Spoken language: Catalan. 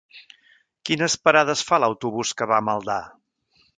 Quines parades fa l'autobús que va a Maldà?